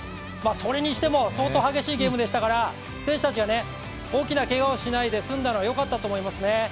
それにしても相当激しいゲームでしたから選手たちが大きなけがをしないで済んだのは良かったと思いますね。